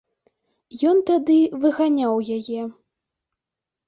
Ён тады выганяў яе.